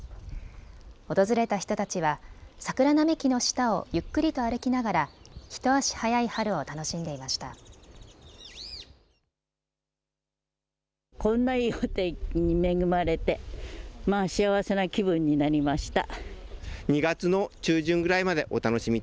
訪れた人たちは桜並木の下をゆっくりと歩きながら一足早い春を楽しんでいました。